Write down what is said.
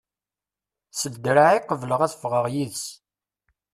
S draɛ i qebleɣ ad ffɣeɣ d yid-s.